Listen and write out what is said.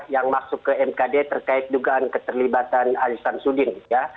yang masuk ke mkd terkait dugaan keterlibatan aziz samsudin